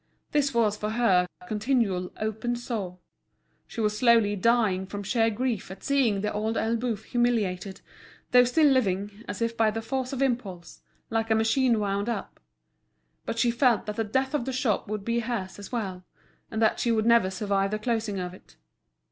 This was for her a continual, open sore; she was slowly dying from sheer grief at seeing The Old Elbeuf humiliated, though still living, as if by the force of impulse, like a machine wound up. But she felt that the death of the shop would be hers as well, and that she would never survive the closing of it.